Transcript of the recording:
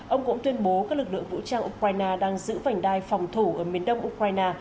ông cũng tuyên bố các lực lượng vũ trang ukraine đang giữ vành đai phòng thủ ở miền đông ukraine